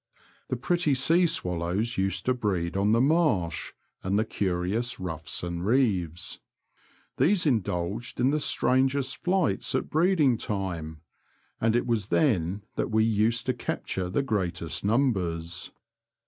The pretty sea swallows used to breed on the marsh, and the curious ruffs and reeves. These indulged in the strangest flights at breeding time, and it was then that we used to capture the greatest numbers.